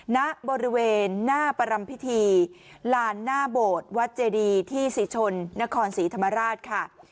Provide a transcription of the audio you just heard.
ณบริเวณหน้าประรำพิธีลานหน้าโบสถ์วัดเจดีที่ศรีชนนครศรีธรรมราชค่ะ